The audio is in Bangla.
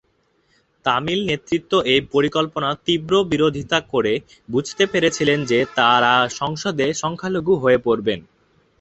তামিল নেতৃত্ব এই পরিকল্পনার তীব্র বিরোধিতা করে বুঝতে পেরেছিলেন যে তারা সংসদে সংখ্যালঘু হয়ে পড়বে।